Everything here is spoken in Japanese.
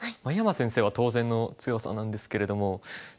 井山先生は当然の強さなんですけれども。